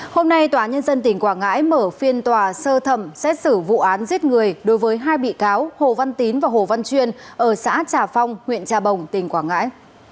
hôm nay tòa nhân dân tỉnh quảng ngãi mở phiên tòa sơ thẩm xét xử vụ án giết người đối với hai bị cáo hồ văn tín và hồ văn chuyên ở xã trà phong huyện trà bồng tỉnh quảng ngãi